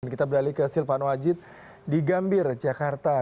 kita beralih ke silvano ajid di gambir jakarta